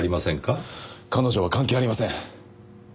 彼女は関係ありません！